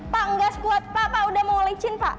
pak enggak sekuat pak pak udah mau lecin pak